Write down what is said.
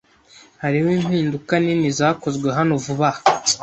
Hariho impinduka nini zakozwe hano vuba aha.